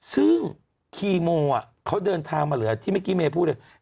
ซึ่งคีโมเขาเดินทางมาเหลือที่เมื่อกี้เมย์พูดเลย